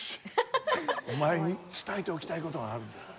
お前に伝えておきたいことがあるんだ。